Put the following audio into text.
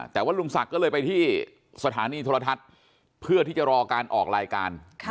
แต่ว่าลุงศักดิ์ก็เลยไปที่สถานีโทรทัศน์เพื่อที่จะรอการออกรายการ